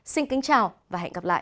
xin kính chào và hẹn gặp lại